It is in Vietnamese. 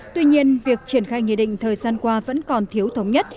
tuy nhiên việc triển khai nghị định thời gian qua vẫn còn thiếu thống nhất